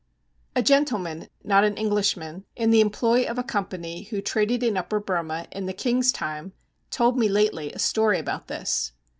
A gentleman not an Englishman in the employ of a company who traded in Upper Burma in the king's time told me lately a story about this.